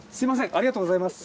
ありがとうございます。